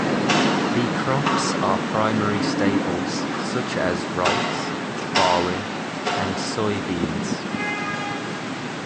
The crops are primary staples such as rice, barley, and soybeans.